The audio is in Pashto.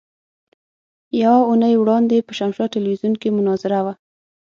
يوه اونۍ وړاندې په شمشاد ټلوېزيون کې مناظره وه.